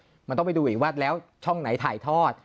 มาได้ละจบเหรอมันต้องไปดูเองว่าแล้วช่องไหนถ่ายทอด